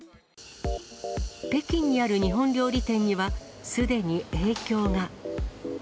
北京にある日本料理店にはすでに影響が。